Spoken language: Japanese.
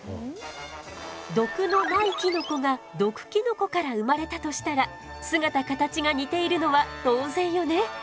毒のないキノコが毒キノコから生まれたとしたら姿形が似ているのは当然よね。